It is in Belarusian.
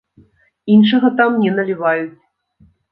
Іншага там не наліваюць.